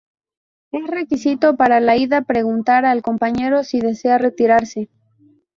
Es requisito para la ida preguntar al compañero si desea retirarse.